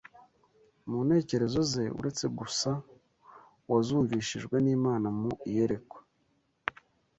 mu ntekerezo ze uretse gusa uwazumvishijwe n’Imana mu iyerekwa